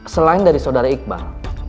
selain dari saudara iqbal